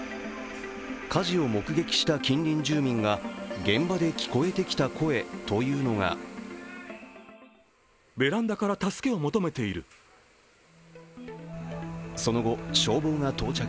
火事を目撃した近隣住民が現場で聞こえてきた声というのがその後、消防が到着。